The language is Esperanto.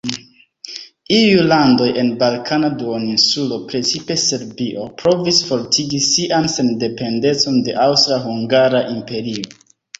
Iuj landoj en Balkana duoninsulo, precipe Serbio, provis fortigi sian sendependecon de Aŭstra-Hungara Imperio.